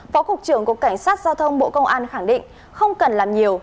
phó cục trưởng cục cảnh sát giao thông bộ công an khẳng định không cần làm nhiều